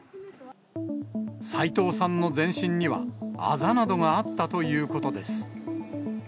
斎藤さんの全身にはあざなどがあったということです。